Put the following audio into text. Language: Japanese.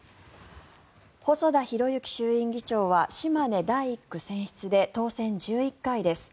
細田博之衆院議長は島根第１区選出で当選１１回です。